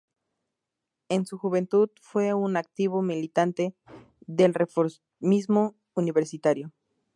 En su juventud fue un activo militante del reformismo universitario.